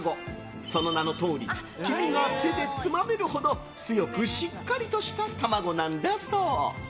その名のとおり黄身が手でつまめるほど強く、しっかりとした卵なんだそう。